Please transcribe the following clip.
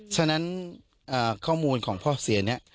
ฉะนั้นข้อมูลของพ่อเสียเนี่ย